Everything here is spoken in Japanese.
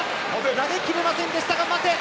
投げ切れませんでしたが待て。